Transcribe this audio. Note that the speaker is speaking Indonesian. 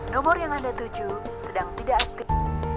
nomor yang anda tuju sedang tidak aktif